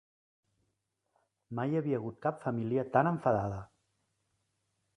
Mai hi havia hagut cap família tan enfadada!